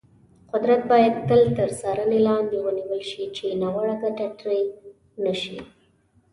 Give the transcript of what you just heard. قدرت باید تل تر څارنې لاندې ونیول شي، چې ناوړه ګټه ترې نه شي.